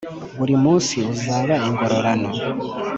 buri munsi uzaba ingororano,